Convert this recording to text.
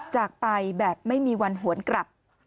จากไปแบบไม่มีวันหวนกลับ